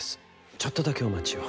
ちょっとだけお待ちを。